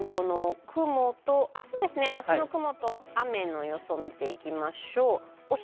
明日の雲と、雨の予想を見ていきましょう。